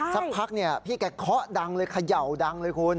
สักพักเนี่ยพี่แกเคาะดังเลยเขย่าดังเลยคุณ